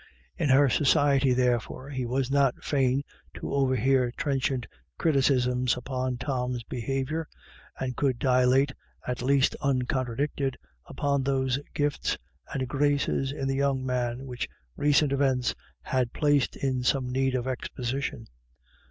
In her society, therefore, he was not fain to overhear trenchant criticisms upon Tom's behaviour, and could dilate, at least uncon tradicted, upon those gifts and graces in the young man which recent events had placed in some need of exposition.